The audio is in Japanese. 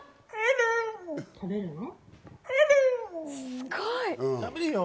すごい！